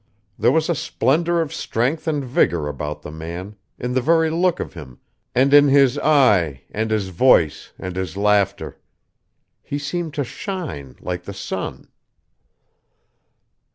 There was a splendor of strength and vigor about the man, in the very look of him, and in his eye, and his voice, and his laughter. He seemed to shine, like the sun....